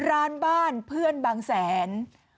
ร้านบ้านเพื่อนบางแสน